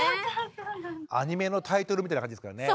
アニメのタイトルみたいな感じですからね。